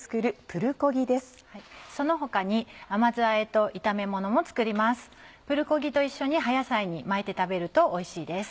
プルコギと一緒に葉野菜に巻いて食べるとおいしいです。